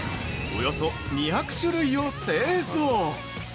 およそ２００種類を製造。